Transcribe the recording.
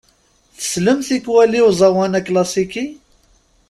Tsellem tikwal i uẓawan aklasiki?